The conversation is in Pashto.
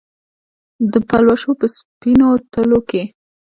د پلوشو په سپینو تلو کې